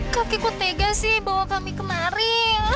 kakek kok tega sih bawa kami kemari